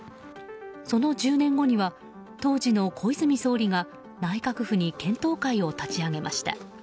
その１０年後には当時の小泉総理が内閣府に検討会を立ち上げました。